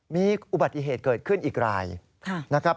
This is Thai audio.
มีอุบัติเหตุเกิดขึ้นอีกรายนะครับ